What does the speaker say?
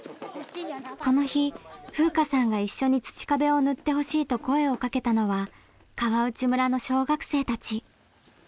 この日風夏さんが一緒に土壁を塗ってほしいと声を掛けたのは川内村の小学生たち。